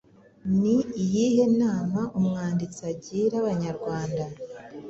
Ni iyihe nama umwanditsi agira Abanyarwanda